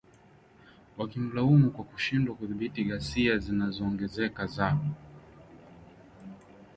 wakimlaumu kwa kushindwa kudhibiti ghasia zinazoongezeka za